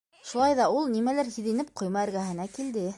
Шулай ҙа ул, нимәлер һиҙенеп, ҡойма эргәһенә килде.